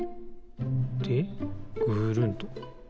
でぐるんと。